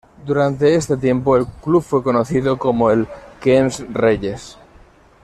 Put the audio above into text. Durante este tiempo, el club fue conocido como el "Queens Reyes".